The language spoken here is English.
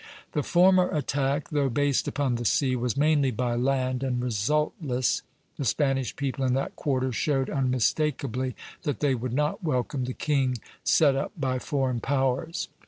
The former attack, though based upon the sea, was mainly by land, and resultless; the Spanish people in that quarter showed unmistakably that they would not welcome the king set up by foreign powers.